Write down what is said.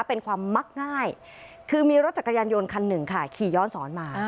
เป็นความมักง่ายคือมีรถจักรยานยนต์คันหนึ่งค่ะขี่ย้อนสอนมา